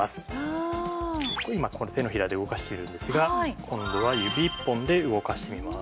今手のひらで動かしているんですが今度は指１本で動かしてみます。